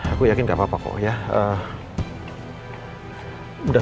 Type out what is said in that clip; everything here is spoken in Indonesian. aku yakin gak apa apa kok ya